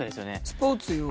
スポーツよ。